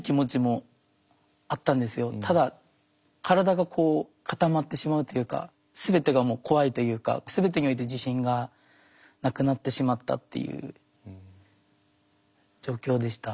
ただ体がこう固まってしまうというか全てが怖いというか全てにおいて自信がなくなってしまったっていう状況でした。